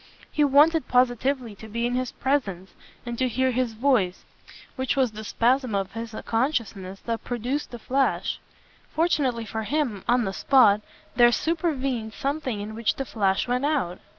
He wanted positively to be in his presence and to hear his voice which was the spasm of his consciousness that produced the flash. Fortunately for him, on the spot, there supervened something in which the flash went out.